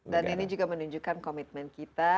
dan ini juga menunjukkan komitmen kita